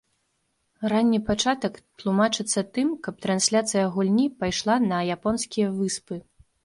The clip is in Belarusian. Ранні пачатак тлумачыцца тым, каб трансляцыя гульні пайшла на японскія выспы.